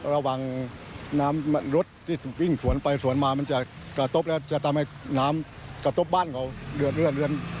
ระหว่างรถที่ยิ่งสวนไปสวนมาจะทำให้น้ำกระตบบ้านของเรือน